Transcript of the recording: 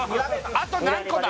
あと何個だ？